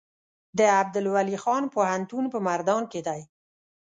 د عبدالولي خان پوهنتون په مردان کې دی